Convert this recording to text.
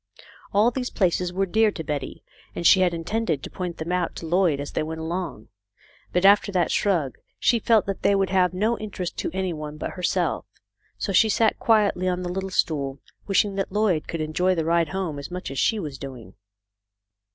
All these places were dear to Betty, and she had intended to point them out to Lloyd as they went along ; but after that shrug, she felt that they would have no interest for any one but herself. So she sat quietly on the little stool, wishing that Lloyd could enjoy the ride home as much as she was doing.